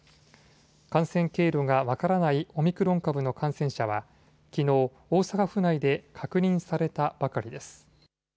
感染経路が分からないオミクロン株の感染者はきのう、大阪府内で確認されたばかりです。